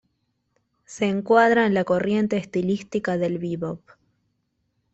Se encuadra en la corriente estilística del "bebop".